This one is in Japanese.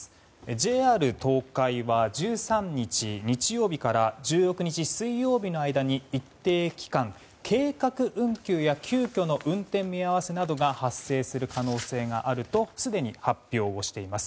ＪＲ東海は１３日、日曜日から１６日、水曜日の間に一定期間、計画運休や急きょの運転見合わせなどが発生する可能性があるとすでに発表しています。